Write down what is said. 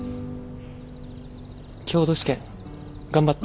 強度試験頑張って。